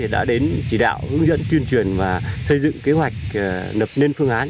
đã đến chỉ đạo hướng dẫn tuyên truyền và xây dựng kế hoạch nập nên phương án